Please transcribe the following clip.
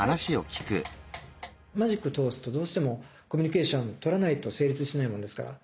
マジック通すとどうしてもコミュニケーション取らないと成立しないものですから。